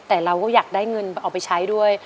แต่เราก็อยากได้เงินเอาไปใช้ด้วย